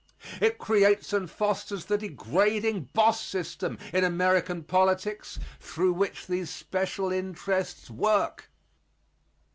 It creates and fosters the degrading boss system in American politics through which these special interests work.